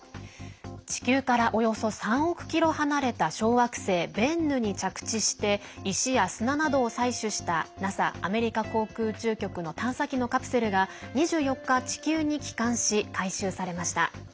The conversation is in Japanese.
地球からおよそ３億ｋｍ離れた小惑星ベンヌに着地して石や砂などを採取したＮＡＳＡ＝アメリカ航空宇宙局の探査機のカプセルが２４日地球に帰還し、回収されました。